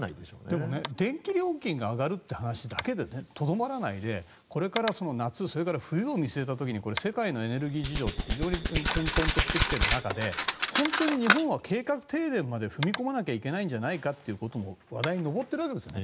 でも電気料金が上がるという話だけにとどまらないでこれから夏、それから冬を見据えた時に世界のエネルギー事情って非常に混とんとしてきている中で本当に日本は計画停電まで踏み込まなきゃいけないんじゃないかということも話題に上っているわけですね。